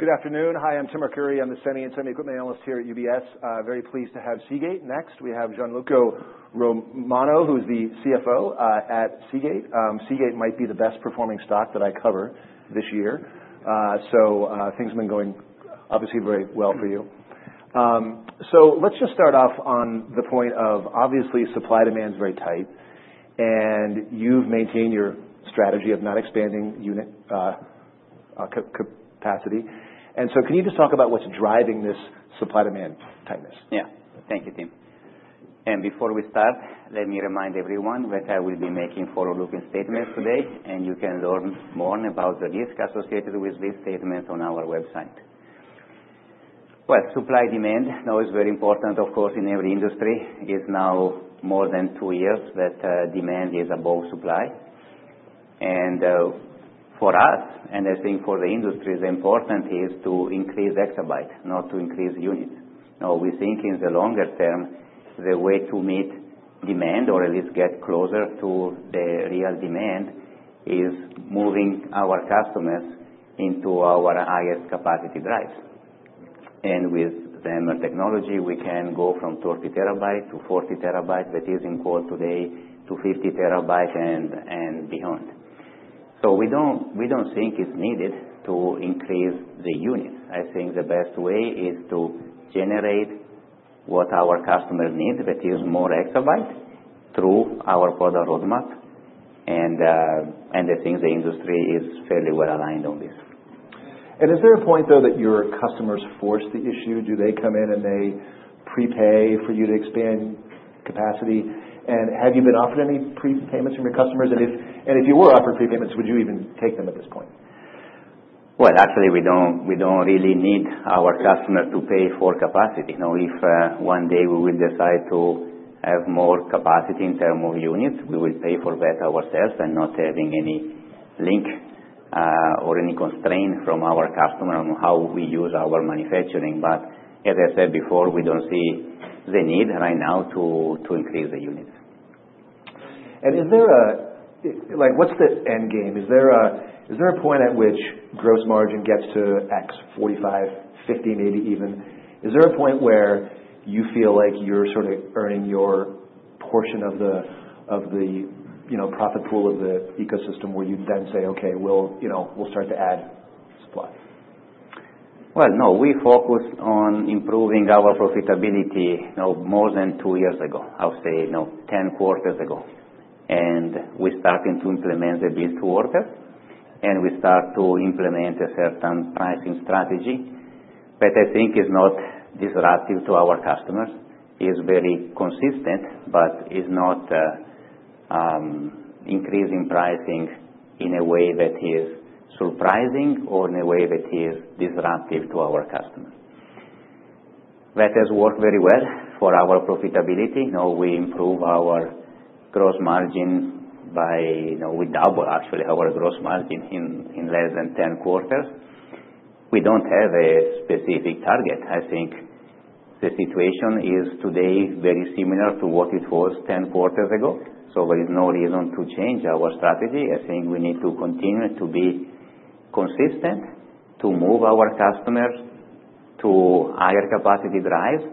Good afternoon. Hi, I'm Tim Arcuri. I'm the Semi and Semi Equipment Analyst here at UBS. Very pleased to have Seagate. Next, we have Gianluca Romano, who is the CFO at Seagate. Seagate might be the best-performing stock that I cover this year. Things have been going, obviously, very well for you. Let's just start off on the point of, obviously, supply-demand is very tight, and you've maintained your strategy of not expanding unit capacity. Can you just talk about what's driving this supply-demand tightness? Yeah. Thank you, Tim. Before we start, let me remind everyone that I will be making forward-looking statements today, and you can learn more about the risk associated with these statements on our website. Supply-demand now is very important, of course, in every industry. It's now more than two years that demand is above supply. For us, and I think for the industry, the important thing is to increase exabytes, not to increase units. We think in the longer term, the way to meet demand, or at least get closer to the real demand, is moving our customers into our highest capacity drives. With the HAMR technology, we can go from 30 TB-40 TB, that is, in quote today, to 50 TB and beyond. We don't think it's needed to increase the units. I think the best way is to generate what our customers need, that is, more exabytes, through our product roadmap. I think the industry is fairly well aligned on this. Is there a point, though, that your customers force the issue? Do they come in and they prepay for you to expand capacity? Have you been offered any prepayments from your customers? If you were offered prepayments, would you even take them at this point? Actually, we do not really need our customers to pay for capacity. If one day we will decide to have more capacity in terms of units, we will pay for that ourselves and not have any link or any constraint from our customer on how we use our manufacturing. As I said before, we do not see the need right now to increase the units. Is there a—what's the end game? Is there a point at which gross margin gets to X, 45, 50, maybe even? Is there a point where you feel like you're sort of earning your portion of the profit pool of the ecosystem where you then say, "Okay, we'll start to add supply"? No. We focused on improving our profitability more than two years ago. I would say 10 quarters ago. We started to implement it this quarter, and we started to implement a certain pricing strategy that I think is not disruptive to our customers. It is very consistent, but it is not increasing pricing in a way that is surprising or in a way that is disruptive to our customers. That has worked very well for our profitability. We improved our gross margin by—we doubled, actually, our gross margin in less than 10 quarters. We do not have a specific target. I think the situation is today very similar to what it was 10 quarters ago. There is no reason to change our strategy. I think we need to continue to be consistent, to move our customers to higher capacity drives.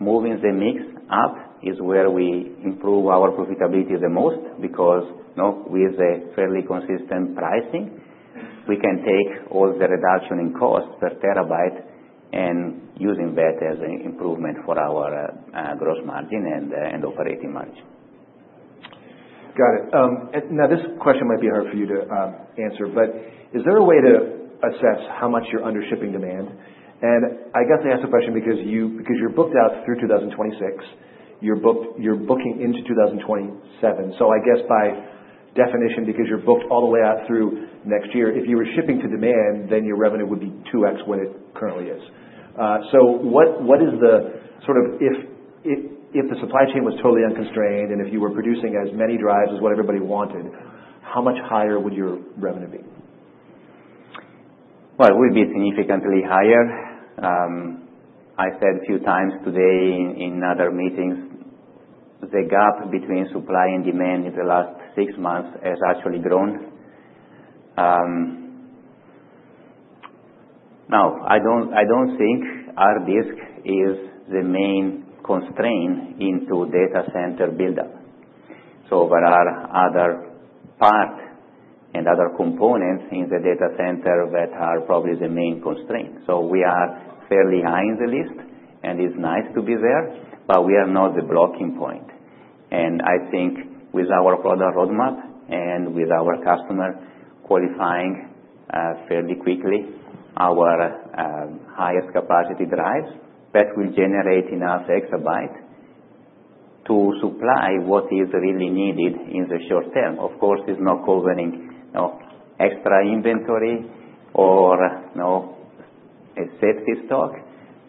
Moving the mix up is where we improve our profitability the most because with a fairly consistent pricing, we can take all the reduction in cost per terabyte and use that as an improvement for our gross margin and operating margin. Got it. Now, this question might be hard for you to answer, but is there a way to assess how much you're under shipping demand? I guess I ask the question because you're booked out through 2026. You're booking into 2027. I guess by definition, because you're booked all the way out through next year, if you were shipping to demand, then your revenue would be 2X what it currently is. What is the sort of—if the supply chain was totally unconstrained and if you were producing as many drives as what everybody wanted, how much higher would your revenue be? It would be significantly higher. I said a few times today in other meetings, the gap between supply and demand in the last six months has actually grown. I do not think hard disk is the main constraint into data center build-up. There are other parts and other components in the data center that are probably the main constraint. We are fairly high in the list, and it is nice to be there, but we are not the blocking point. I think with our product roadmap and with our customer qualifying fairly quickly our highest capacity drives, that will generate enough exabytes to supply what is really needed in the short term. Of course, it is not covering extra inventory or safety stock,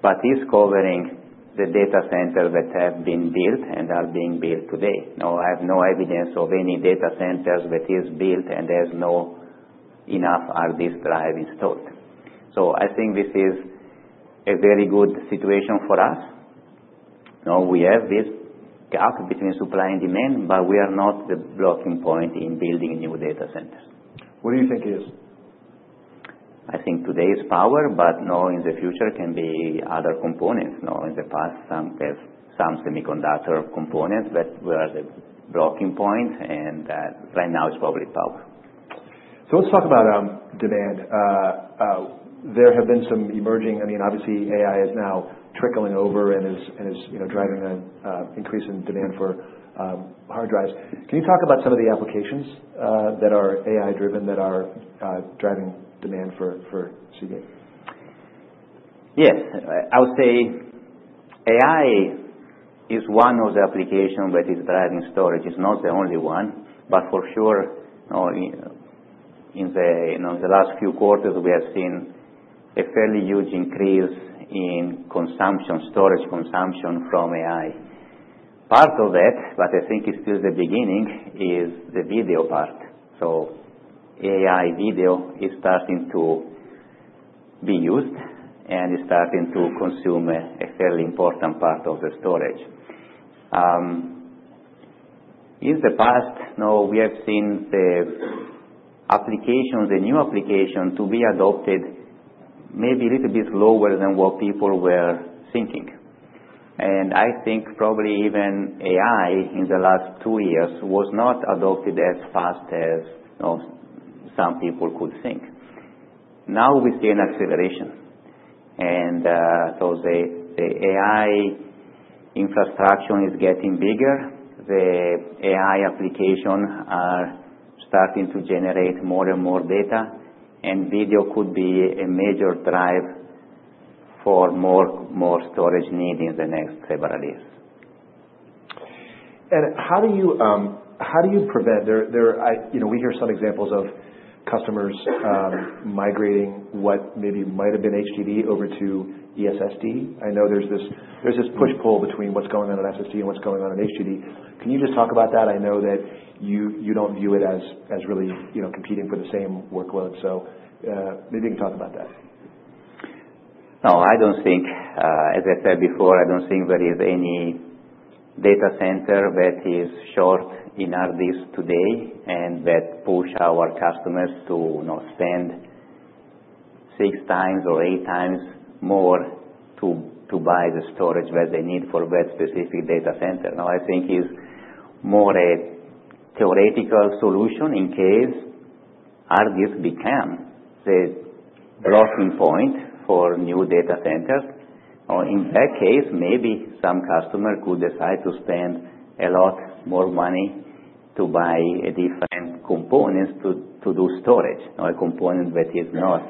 but it is covering the data centers that have been built and are being built today. I have no evidence of any data centers that are built and there's not enough disk drives installed. I think this is a very good situation for us. We have this gap between supply and demand, but we are not the blocking point in building new data centers. What do you think it is? I think today is power, but in the future, it can be other components. In the past, some semiconductor components were the blocking point, and right now, it's probably power. Let's talk about demand. There have been some emerging—I mean, obviously, AI is now trickling over and is driving an increase in demand for hard drives. Can you talk about some of the applications that are AI-driven that are driving demand for Seagate? Yes. I would say AI is one of the applications that is driving storage. It's not the only one. For sure, in the last few quarters, we have seen a fairly huge increase in storage consumption from AI. Part of that, but I think it's still the beginning, is the video part. AI video is starting to be used, and it's starting to consume a fairly important part of the storage. In the past, we have seen the new application to be adopted maybe a little bit slower than what people were thinking. I think probably even AI in the last two years was not adopted as fast as some people could think. Now, we see an acceleration. The AI infrastructure is getting bigger. The AI applications are starting to generate more and more data, and video could be a major drive for more storage needs in the next several years. How do you prevent—we hear some examples of customers migrating what maybe might have been HDD over to SSD? I know there's this push-pull between what's going on in SSD and what's going on in HDD. Can you just talk about that? I know that you don't view it as really competing for the same workload. Maybe you can talk about that. No, I don't think—as I said before, I don't think there is any data center that is short in hard disk today and that pushes our customers to spend six times or eight times more to buy the storage that they need for that specific data center. I think it's more a theoretical solution in case hard disk becomes the blocking point for new data centers. In that case, maybe some customers could decide to spend a lot more money to buy different components to do storage, a component that is not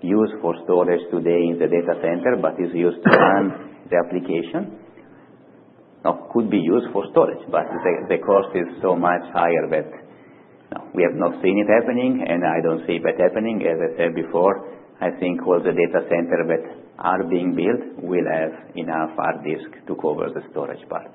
used for storage today in the data center, but is used to run the application. It could be used for storage, but the cost is so much higher that we have not seen it happening, and I don't see it happening. As I said before, I think all the data centers that are being built will have enough hard disk to cover the storage part.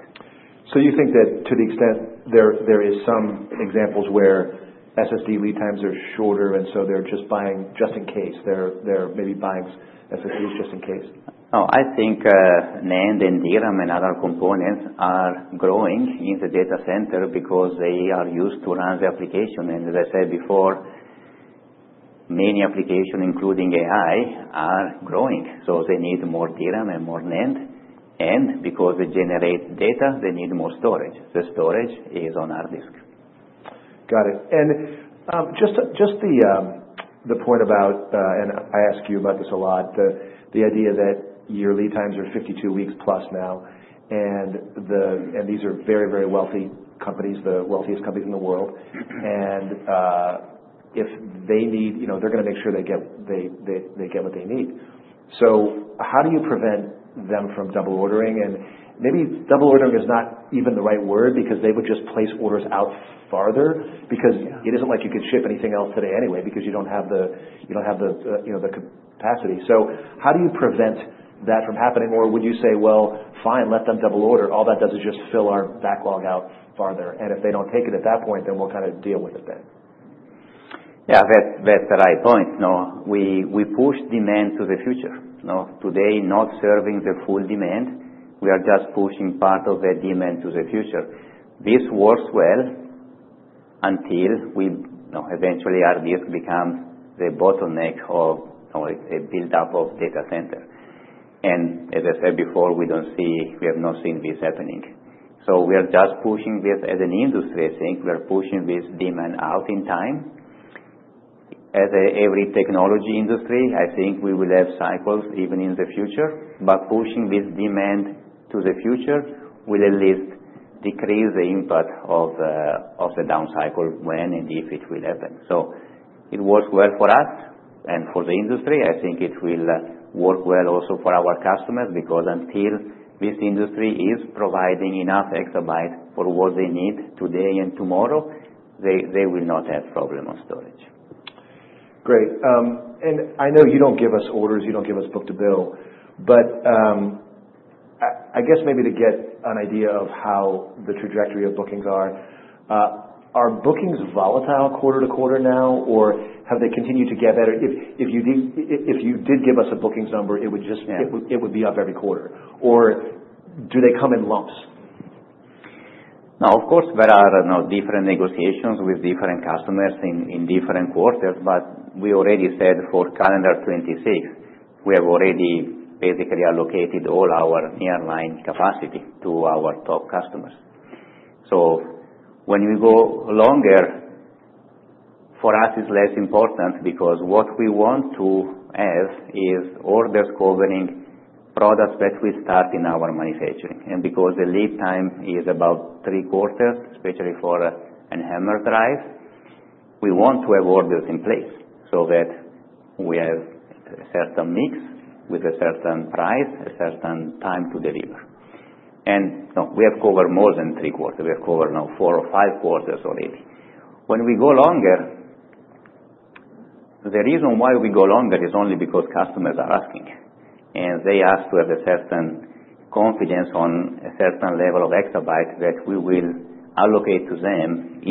You think that to the extent there are some examples where SSD lead times are shorter, and so they're just buying just in case? They're maybe buying SSDs just in case? No, I think NAND and DRAM and other components are growing in the data center because they are used to run the application. As I said before, many applications, including AI, are growing. They need more DRAM and more NAND. Because they generate data, they need more storage. The storage is on hard disk. Got it. Just the point about—the idea that your lead times are 52+ weeks now, and these are very, very wealthy companies, the wealthiest companies in the world. If they need—they're going to make sure they get what they need. How do you prevent them from double-ordering? Maybe double-ordering is not even the right word because they would just place orders out farther. It is not like you could ship anything else today anyway because you do not have the capacity. How do you prevent that from happening? Would you say, "Fine, let them double-order. All that does is just fill our backlog out farther. If they do not take it at that point, then we'll kind of deal with it then"? Yeah, that's the right point. We push demand to the future. Today, not serving the full demand, we are just pushing part of the demand to the future. This works well until eventually hard disk becomes the bottleneck of a build-up of data centers. As I said before, we have not seen this happening. We are just pushing this as an industry, I think. We are pushing this demand out in time. As every technology industry, I think we will have cycles even in the future. Pushing this demand to the future will at least decrease the impact of the down cycle when and if it will happen. It works well for us and for the industry. I think it will work well also for our customers because until this industry is providing enough exabytes for what they need today and tomorrow, they will not have problems on storage. Great. I know you do not give us orders. You do not give us book to bill. I guess maybe to get an idea of how the trajectory of bookings are, are bookings volatile quarter to quarter now, or have they continued to get better? If you did give us a bookings number, it would be up every quarter. Or do they come in lumps? No, of course, there are different negotiations with different customers in different quarters. We already said for calendar 2026, we have already basically allocated all our nearline capacity to our top customers. When we go longer, for us, it is less important because what we want to have is orders covering products that we start in our manufacturing. Because the lead time is about three quarters, especially for a HAMR drive, we want to have orders in place so that we have a certain mix with a certain price, a certain time to deliver. We have covered more than three quarters. We have covered four or five quarters already. When we go longer, the reason why we go longer is only because customers are asking. They ask to have a certain confidence on a certain level of exabytes that we will allocate to them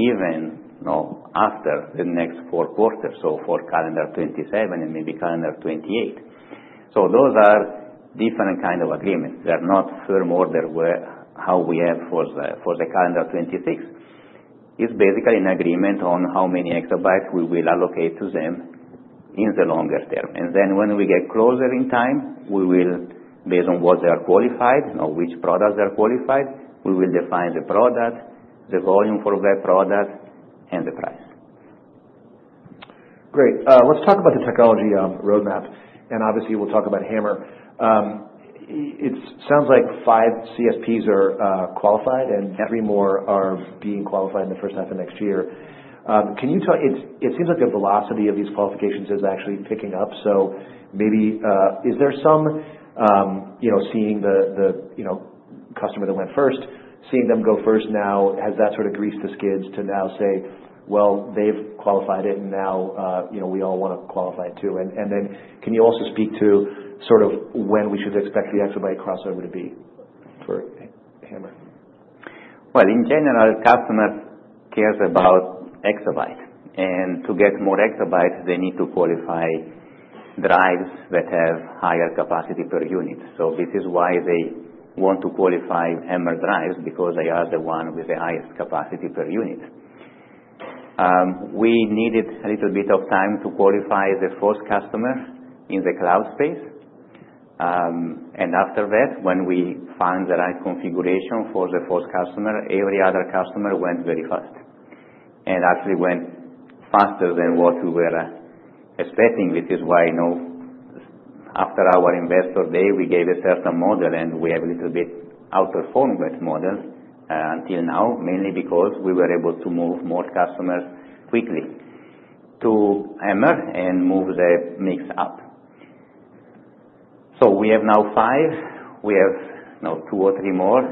even after the next four quarters, for calendar 2027 and maybe calendar 2028. Those are different kinds of agreements. They are not firm orders like we have for calendar 2026. It is basically an agreement on how many exabytes we will allocate to them in the longer term. When we get closer in time, based on what they are qualified, which products they are qualified, we will define the product, the volume for that product, and the price. Great. Let's talk about the technology roadmap. Obviously, we'll talk about HAMR. It sounds like five CSPs are qualified and three more are being qualified in the first half of next year. It seems like the velocity of these qualifications is actually picking up. Maybe is there some seeing the customer that went first, seeing them go first now, has that sort of greased the skids to now say, "Well, they've qualified it, and now we all want to qualify it too"? Can you also speak to sort of when we should expect the exabyte crossover to be for HAMR? In general, customers care about exabytes. To get more exabytes, they need to qualify drives that have higher capacity per unit. This is why they want to qualify HAMR drives because they are the ones with the highest capacity per unit. We needed a little bit of time to qualify the first customer in the cloud space. After that, when we found the right configuration for the first customer, every other customer went very fast. It actually went faster than what we were expecting, which is why after our investor day, we gave a certain model, and we have a little bit outperformed that model until now, mainly because we were able to move more customers quickly to HAMR and move the mix up. We have now five. We have two or three more.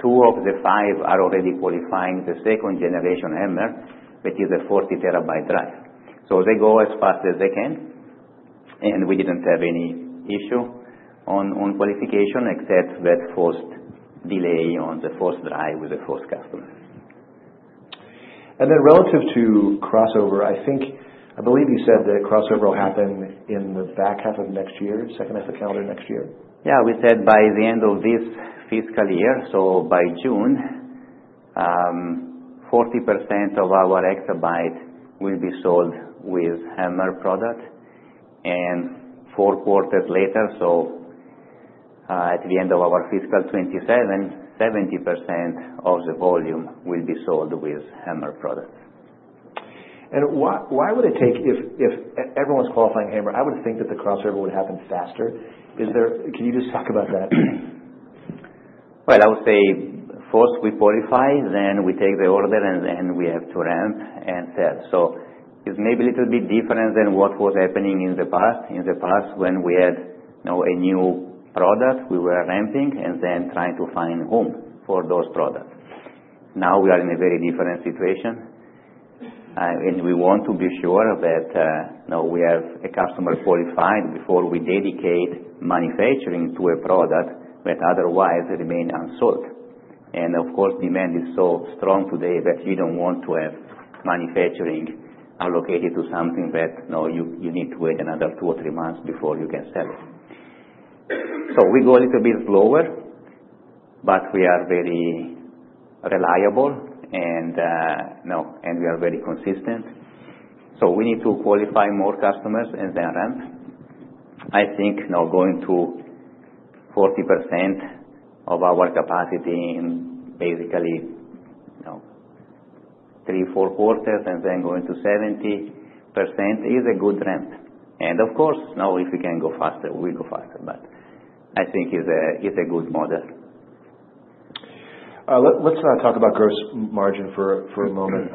Two of the five are already qualifying the second generation HAMR, which is a 40 TB drive. They go as fast as they can. We did not have any issue on qualification, except that first delay on the first drive with the first customer. Relative to crossover, I believe you said that crossover will happen in the back half of next year, second half of calendar next year? Yeah, we said by the end of this fiscal year, so by June, 40% of our exabytes will be sold with HAMR product. And four quarters later, so at the end of our fiscal 2027, 70% of the volume will be sold with HAMR products. Why would it take, if everyone's qualifying HAMR, I would think that the crossover would happen faster. Can you just talk about that? I would say first we qualify, then we take the order, and then we have to ramp and sell. It is maybe a little bit different than what was happening in the past. In the past, when we had a new product, we were ramping and then trying to find home for those products. Now we are in a very different situation. We want to be sure that we have a customer qualified before we dedicate manufacturing to a product that otherwise remained unsold. Of course, demand is so strong today that you do not want to have manufacturing allocated to something that you need to wait another two or three months before you can sell it. We go a little bit slower, but we are very reliable, and we are very consistent. We need to qualify more customers and then ramp. I think going to 40% of our capacity in basically three, four quarters and then going to 70% is a good ramp. Of course, if we can go faster, we go faster. I think it's a good model. Let's talk about gross margin for a moment.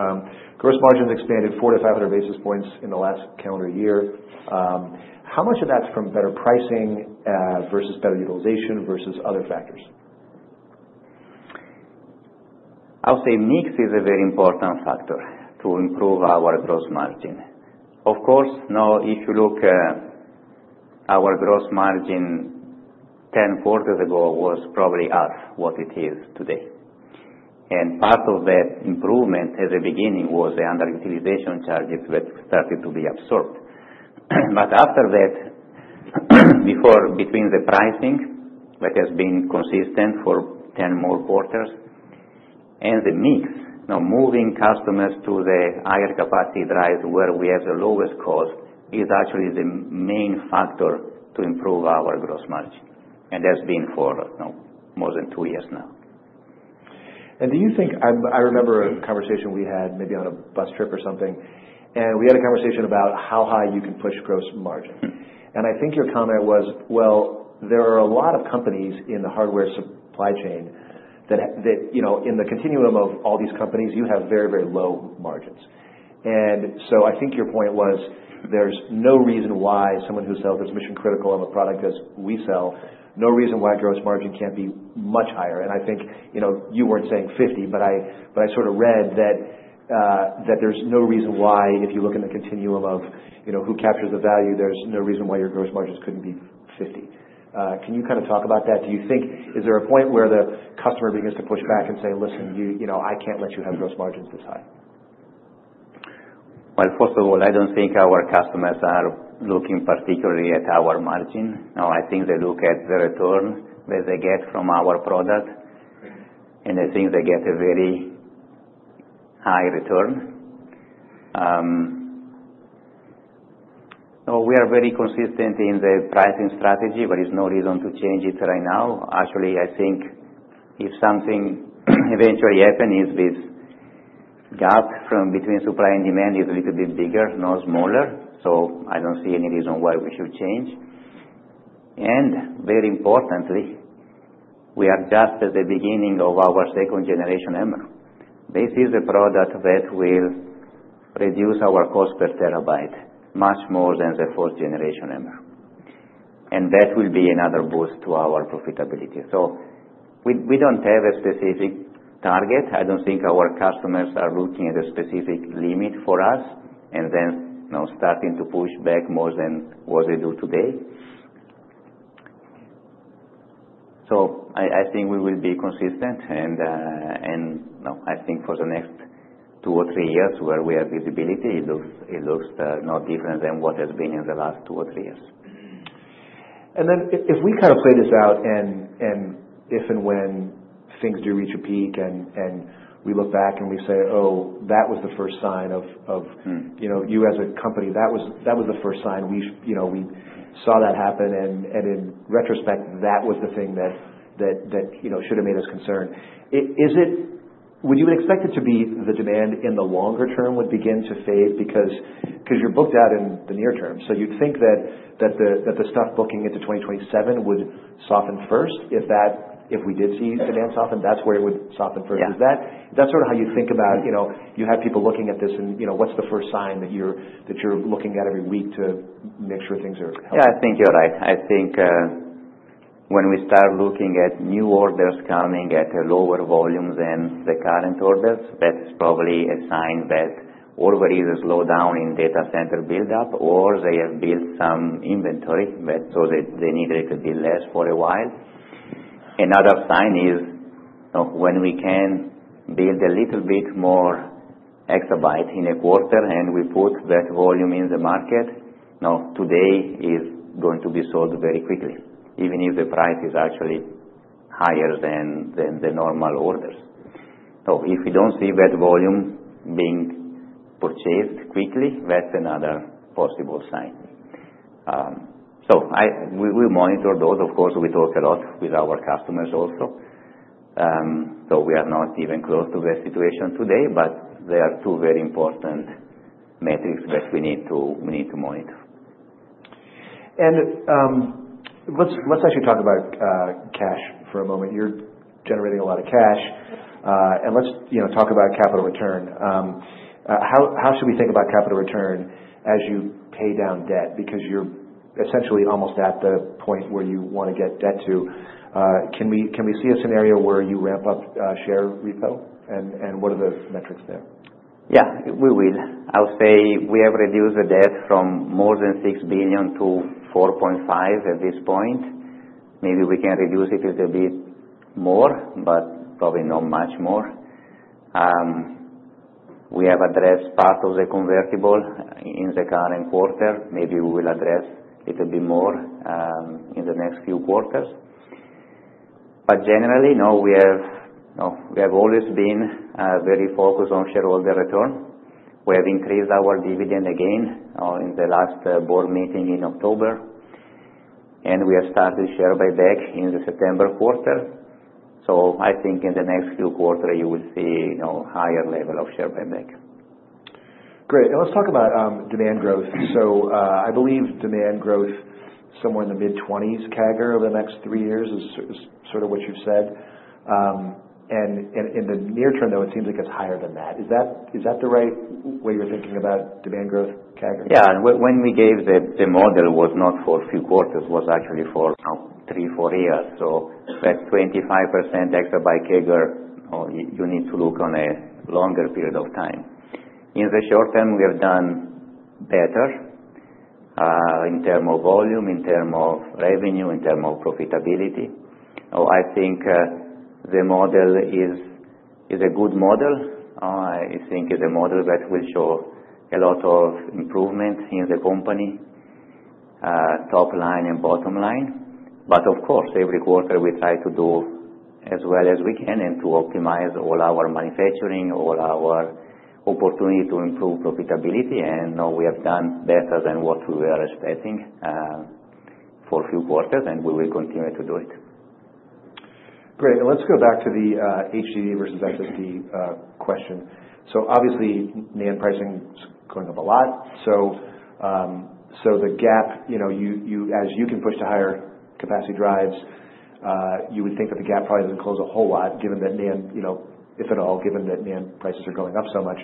Gross margin has expanded four to five hundred basis points in the last calendar year. How much of that's from better pricing versus better utilization versus other factors? I'll say mix is a very important factor to improve our gross margin. Of course, if you look, our gross margin 10 quarters ago was probably half what it is today. Part of that improvement at the beginning was the underutilization charges that started to be absorbed. After that, between the pricing that has been consistent for 10 more quarters and the mix, moving customers to the higher capacity drives where we have the lowest cost is actually the main factor to improve our gross margin. That's been for more than two years now. Do you think I remember a conversation we had maybe on a bus trip or something. We had a conversation about how high you can push gross margin. I think your comment was, "Well, there are a lot of companies in the hardware supply chain that in the continuum of all these companies, you have very, very low margins." I think your point was there is no reason why someone who sells that's mission-critical on the product as we sell, no reason why gross margin cannot be much higher. I think you were not saying 50, but I sort of read that there is no reason why if you look in the continuum of who captures the value, there is no reason why your gross margins could not be 50. Can you kind of talk about that? Do you think is there a point where the customer begins to push back and say, "Listen, I can't let you have gross margins this high? First of all, I don't think our customers are looking particularly at our margin. I think they look at the return that they get from our product. I think they get a very high return. We are very consistent in the pricing strategy, but there's no reason to change it right now. Actually, I think if something eventually happens with gap between supply and demand, it's a little bit bigger, not smaller. I don't see any reason why we should change. Very importantly, we are just at the beginning of our second generation HAMR. This is a product that will reduce our cost per terabyte much more than the first generation HAMR. That will be another boost to our profitability. We don't have a specific target. I don't think our customers are looking at a specific limit for us and then starting to push back more than what they do today. I think we will be consistent. I think for the next two or three years where we have visibility, it looks no different than what has been in the last two or three years. If we kind of play this out and if and when things do reach a peak and we look back and we say, "Oh, that was the first sign of you as a company. That was the first sign we saw that happen." In retrospect, that was the thing that should have made us concerned. Would you expect it to be the demand in the longer term would begin to fade? Because you're booked out in the near term. You'd think that the stuff booking into 2027 would soften first if we did see demand soften. That's where it would soften first. Is that sort of how you think about you have people looking at this and what's the first sign that you're looking at every week to make sure things are healthy? Yeah, I think you're right. I think when we start looking at new orders coming at a lower volume than the current orders, that's probably a sign that already there's a slowdown in data center build-up or they have built some inventory so that they needed to be less for a while. Another sign is when we can build a little bit more exabyte in a quarter and we put that volume in the market, today is going to be sold very quickly, even if the price is actually higher than the normal orders. If we don't see that volume being purchased quickly, that's another possible sign. We monitor those. Of course, we talk a lot with our customers also. We are not even close to that situation today, but there are two very important metrics that we need to monitor. Let's actually talk about cash for a moment. You're generating a lot of cash. Let's talk about capital return. How should we think about capital return as you pay down debt? Because you're essentially almost at the point where you want to get debt to. Can we see a scenario where you ramp up share repo? What are the metrics there? Yeah, we will. I would say we have reduced the debt from more than $6 billion-$4.5 billion at this point. Maybe we can reduce it a little bit more, but probably not much more. We have addressed part of the convertible in the current quarter. Maybe we will address a little bit more in the next few quarters. Generally, we have always been very focused on shareholder return. We have increased our dividend again in the last board meeting in October. We have started share buyback in the September quarter. I think in the next few quarters, you will see a higher level of share buyback. Great. Let's talk about demand growth. I believe demand growth somewhere in the mid-20s CAGR over the next three years is sort of what you've said. In the near term, though, it seems like it's higher than that. Is that the right way you're thinking about demand growth, CAGR? Yeah. When we gave the model, it was not for a few quarters. It was actually for three, four years. So that 25% exabyte CAGR, you need to look on a longer period of time. In the short term, we have done better in terms of volume, in terms of revenue, in terms of profitability. I think the model is a good model. I think it is a model that will show a lot of improvement in the company, top line and bottom line. Of course, every quarter, we try to do as well as we can and to optimize all our manufacturing, all our opportunity to improve profitability. We have done better than what we were expecting for a few quarters, and we will continue to do it. Great. Let's go back to the HDD versus SSD question. Obviously, NAND pricing is going up a lot. The gap, as you can push to higher capacity drives, you would think that the gap probably does not close a whole lot, if at all, given that NAND prices are going up so much.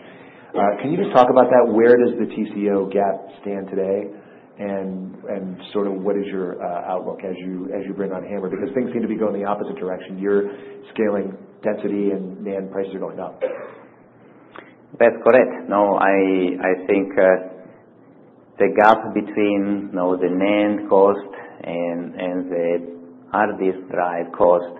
Can you just talk about that? Where does the TCO gap stand today? What is your outlook as you bring on HAMR? Things seem to be going the opposite direction. You are scaling density and NAND prices are going up. That's correct. I think the gap between the NAND cost and the hard disk drive cost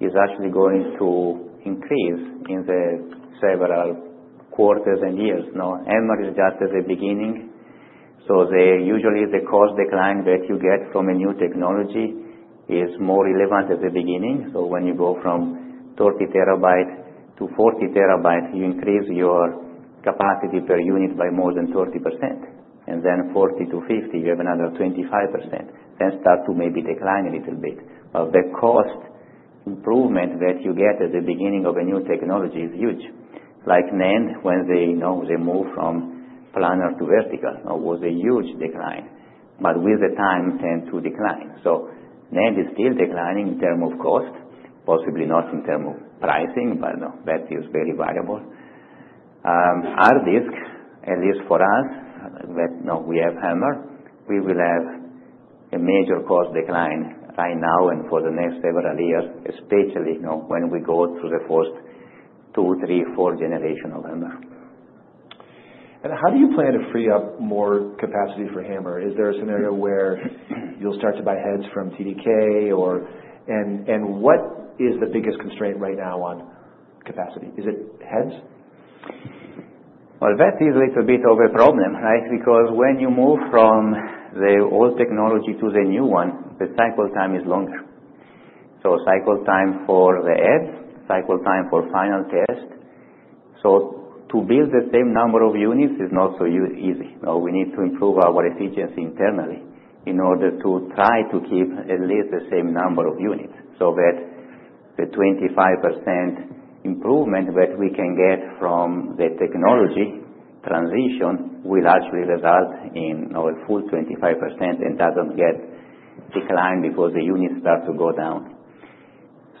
is actually going to increase in several quarters and years. HAMR is just at the beginning. Usually, the cost decline that you get from a new technology is more relevant at the beginning. When you go from 30 TB-40 TB, you increase your capacity per unit by more than 30%. Then 40 to 50, you have another 25%. Then start to maybe decline a little bit. The cost improvement that you get at the beginning of a new technology is huge. Like NAND, when they move from planar to vertical was a huge decline. With the time, tend to decline. NAND is still declining in term of cost, possibly not in term of pricing, but that is very variable. Hard disk, at least for us, we have HAMR. We will have a major cost decline right now and for the next several years, especially when we go through the first two, three, four generations of HAMR. How do you plan to free up more capacity for HAMR? Is there a scenario where you'll start to buy heads from TDK? What is the biggest constraint right now on capacity? Is it heads? That is a little bit of a problem, right? Because when you move from the old technology to the new one, the cycle time is longer. Cycle time for the heads, cycle time for final test. To build the same number of units is not so easy. We need to improve our efficiency internally in order to try to keep at least the same number of units so that the 25% improvement that we can get from the technology transition will actually result in a full 25% and does not get declined because the units start to go down.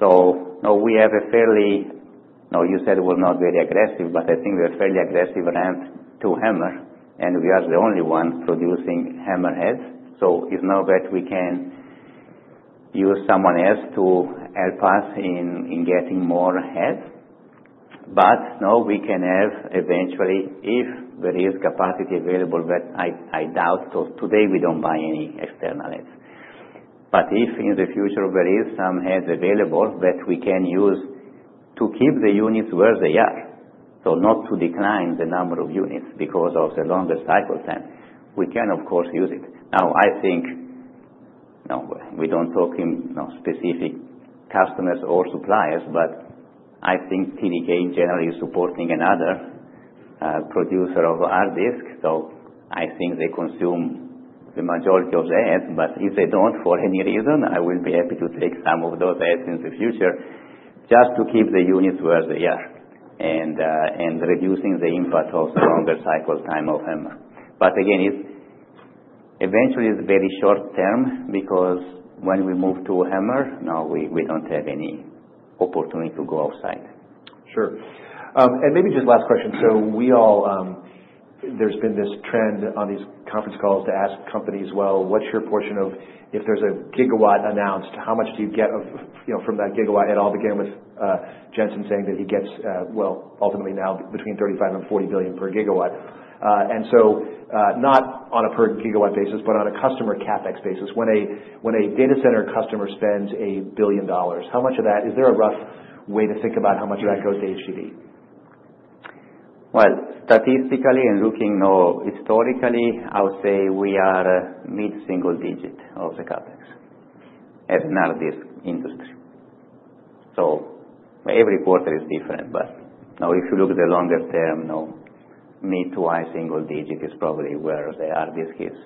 We have a fairly, you said we are not very aggressive, but I think we are fairly aggressive around HAMR. We are the only one producing HAMR heads, so it is not that we can use someone else to help us in getting more heads. We can have eventually, if there is capacity available, but I doubt today we do not buy any external heads. If in the future there are some heads available that we can use to keep the units where they are, so not to decline the number of units because of the longer cycle time, we can, of course, use it. I think we do not talk in specific customers or suppliers, but I think TDK in general is supporting another producer of hard disk. I think they consume the majority of the heads. If they do not for any reason, I will be happy to take some of those heads in the future just to keep the units where they are and reducing the impact of the longer cycle time of HAMR. Again, eventually, it's very short term because when we move to HAMR, we don't have any opportunity to go outside. Sure. Maybe just last question. There's been this trend on these conference calls to ask companies, "What's your portion of if there's a gigawatt announced, how much do you get from that gigawatt?" It all began with Jensen saying that he gets, ultimately now, between $35 billion and $40 billion per gigawatt. Not on a per gigawatt basis, but on a customer CapEx basis. When a data center customer spends $1 billion, is there a rough way to think about how much of that goes to HDD? Statistically and looking historically, I would say we are mid-single digit of the CapEx in our disk industry. Every quarter is different. If you look at the longer term, mid to high single digit is probably where the hard disk is.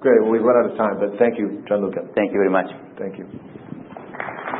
Great. We have run out of time, but thank you, Gianluca. Thank you very much. Thank you.